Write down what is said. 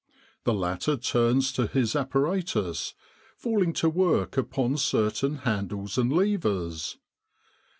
The latter turns to his apparatus, falling to work upon certain handles and levers.